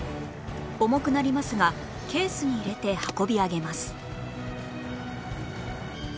重くなりますがケースに入れて運び上げます